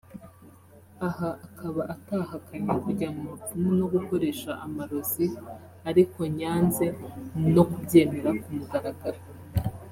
aha akaba atahakanye kujya mu bapfumu no gukoresha amarozi arikonyanze no kubyemera ku mugaragaro